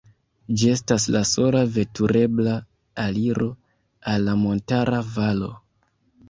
Ĝi estas la sola veturebla aliro al la montara valo.